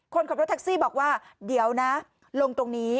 คนขับรถแท็กซี่บอกว่าเดี๋ยวนะลงตรงนี้